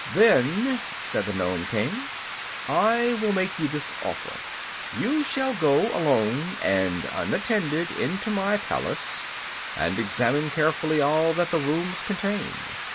"Then," said the Nome King, "I will make you this offer: You shall go alone and unattended into my palace and examine carefully all that the rooms contain.